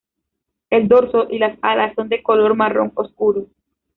El dorso y las alas son de color marrón oscuro.